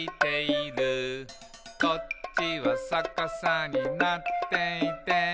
「こっちはさかさになっていて」